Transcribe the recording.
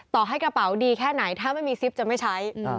ต่อให้กระเป๋าดีแค่ไหนถ้าไม่มีซิปจะไม่ใช้